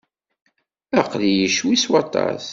Aql-iyi ccwi s waṭas.